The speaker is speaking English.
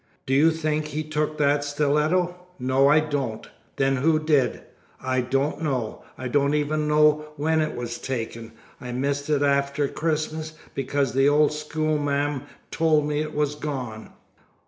"Do you think he took that stiletto?" "No, I don't!" "Then who did?" "I don't know. I don't even know when it was taken. I missed it after Christmas, because that old schoolma'am told me it was gone."